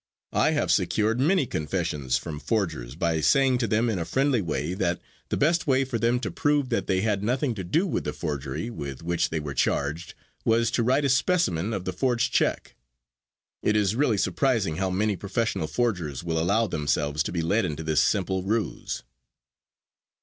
I have secured many confessions from forgers by saying to them in a friendly way that the best way for them to prove that they had nothing to do with the forgery with which they were charged, was to write a specimen of the forged check. It is really surprising how many professional forgers will allow themselves to be led into this simple ruse.